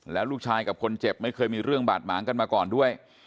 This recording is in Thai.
แล้วลูกชายกับคนเจ็บไม่เคยมีเรื่องบาดหมางกันมาก่อนด้วย